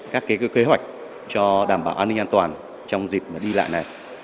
các kế hoạch cho đảm bảo an ninh an toàn trong dịp đi lại này